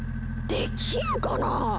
できるかな？